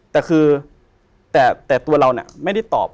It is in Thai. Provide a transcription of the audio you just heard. แต่คือแต่ตัวเราไม่ได้ตอบ